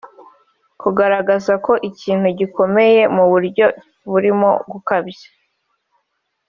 kugaragaza ko ikintu gikomeye mu buryo burimo gukabya